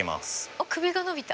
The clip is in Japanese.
あっ首が伸びた。